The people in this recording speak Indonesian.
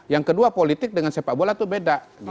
yang kedua politik dengan sepak bola itu beda